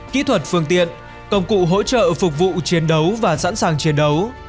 kỹ thuật phương tiện công cụ hỗ trợ phục vụ chiến đấu và sẵn sàng chiến đấu